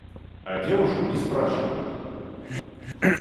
А девушку не спрашивают.